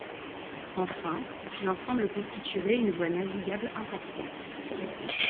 Enfin, l'ensemble constituerait une voie navigable importante.